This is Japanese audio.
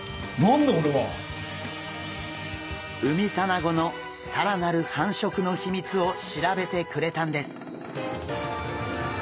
ウミタナゴの更なる繁殖の秘密を調べてくれたんです。